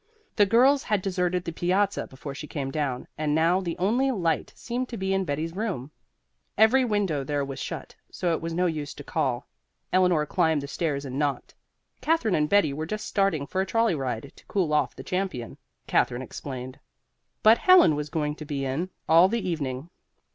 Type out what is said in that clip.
The girls had deserted the piazza before she came down, and now the only light seemed to be in Betty's room. Every window there was shut, so it was no use to call. Eleanor climbed the stairs and knocked. Katherine and Betty were just starting for a trolley ride, to cool off the champion, Katherine explained; but Helen was going to be in all the evening.